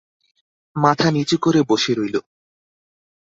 মাথা নিচু করে বসে রইল।